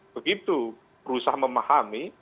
begitu berusaha memahami